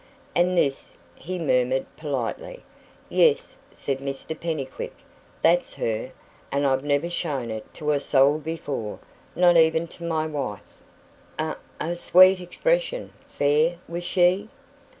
"And this?" he murmured politely. "Yes," said Mr Pennycuick; "that's her. And I've never shown it to a soul before not even to my wife." "A a sweet expression. Fair, was she?"